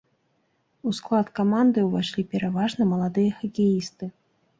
У склад каманды ўвайшлі пераважна маладыя хакеісты.